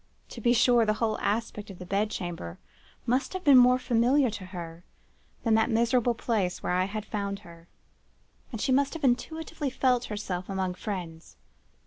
To be sure, the whole aspect of the bed chamber must have been more familiar to her than the miserable place where I had found her, and she must have intuitively felt herself among friends.